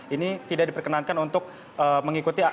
ini tidak diperkenankan untuk mengikuti